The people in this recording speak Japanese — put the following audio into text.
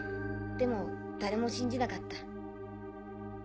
でも誰も信じなかった。